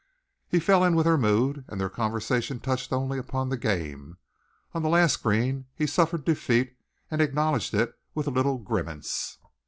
He fell in with her mood, and their conversation touched only upon the game. On the last green he suffered defeat and acknowledged it with a little grimace.